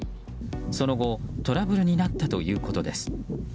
その後、トラブルになったということです。